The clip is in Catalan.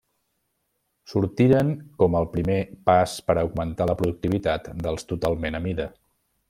Sortiren com el primer pas per augmentar la productivitat dels totalment a mida.